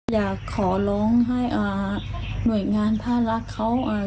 อยากขอร้องให้หน่วยงานภาระเขา